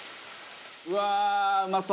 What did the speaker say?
うわーうまそう！